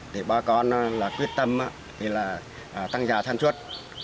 thì ba con quyết tâm tăng giá sản xuất